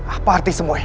apa arti semua ini